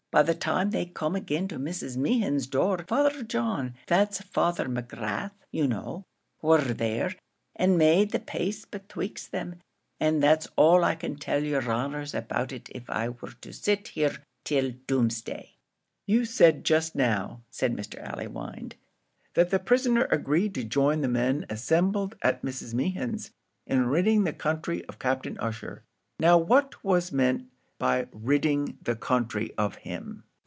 By the time they come agin to Mrs. Mehan's door, Father John, that's Father Magrath, you know, war there, and made the pace betwixt 'em; and that's all I can tell yer honours about it av I war to sit here till doomsday." "You said just now," said Mr. Allewinde, "that the prisoner agreed to join the men assembled at Mrs. Mehan's in ridding the country of Captain Ussher; now what was meant by ridding the country of him?"